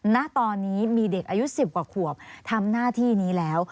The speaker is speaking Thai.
ณตอนนี้มีเด็กอายุ๑๐กว่าขวบทำหน้าที่นี้แล้ว